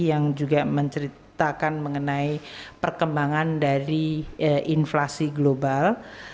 yang juga menceritakan mengenai perkembangan dari inflasi global